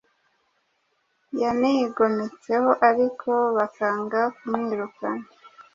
yanigometseho ariko bakanga kumwirukana.